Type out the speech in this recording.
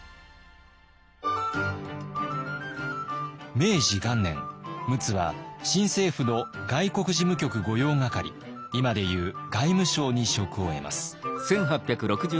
明治元年陸奥は新政府の外国事務局御用掛今でいう外務省に職を得ます。